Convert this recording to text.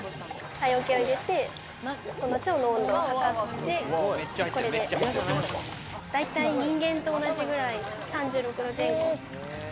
体温計を入れて、腸の温度を測って、これで大体人間と同じくらい３６度前後。